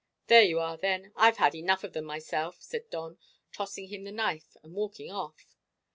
"There you are, then; I've had enough of them myself," said Don, tossing him the knife and walking off.